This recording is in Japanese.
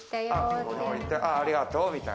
ありがとうみたいな。